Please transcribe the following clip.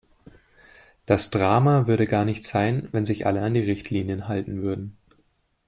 Das Drama würde gar nicht sein, wenn sich alle an die Richtlinien halten würden.